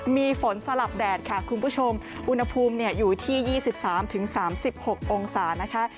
มีฝนสลับแดดค่ะคุณผู้ชมอุณหภูมิอยู่ที่๒๓๓๖องศานะคะ